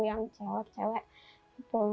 yang cewek cewek gitu